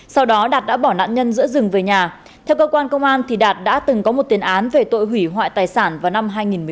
sau đó đạt đã bỏ nạn nhân giữa rừng về nhà theo cơ quan công an đạt đã từng có một tiền án về tội hủy hoại tài sản vào năm hai nghìn một mươi ba